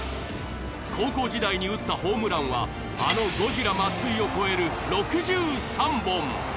高校時代に打ったホームランは、あのゴジラ松井を超える６３本。